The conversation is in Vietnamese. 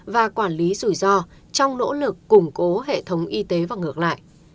và quản lý rủi ro trong nỗ lực củng cố hệ thống y tế và ngược lại